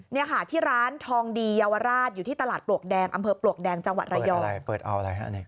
นี่ค่ะที่ร้านทองดีเยาวราชอยู่ที่ตลาดปลวกแดงอำเภอปลวกแดงจังหวัดระยองเปิดเอาอะไรฮะ